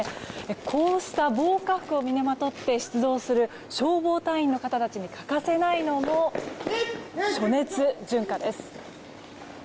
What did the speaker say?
こうした防火服を身にまとって出動する消防隊員の方たちに欠かせないのも暑熱順化です。